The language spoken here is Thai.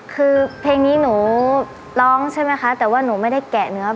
คือเพลงนี้หนูร้องใช่ไหมคะแต่ว่าหนูไม่ได้แกะเนื้อ